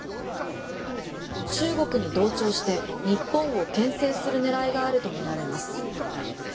中国に同調して日本を牽制する狙いがあるとみられます。